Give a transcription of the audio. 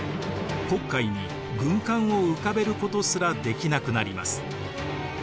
黒海に軍艦を浮かべることすらできなくなります。